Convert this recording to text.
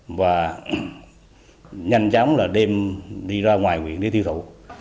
lợi dụng xã hội này thì đối tượng trộm cắp và nhanh chóng là đem đi ra ngoài nguyện để tiêu thụ